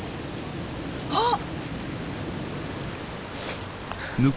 あっ！